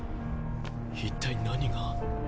一体何が？